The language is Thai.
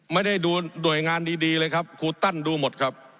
ไม่ได้ดูหน่วยงานดีเลยครับครูตั้นดูหมดครับ